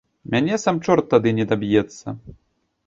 Мяне сам чорт тады не даб'ецца.